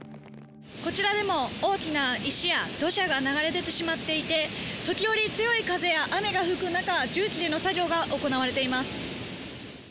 こちらでも大きな石や土砂が流れ出てしまっていて、時折強い風や雨が吹く中、重機での作業が行われています。